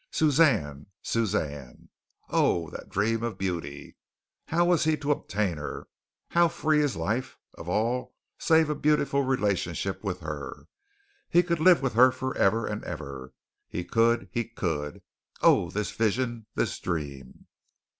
Suzanne! Suzanne! Oh, that dream of beauty. How was he to obtain her, how free his life of all save a beautiful relationship with her? He could live with her forever and ever. He could, he could! Oh, this vision, this dream!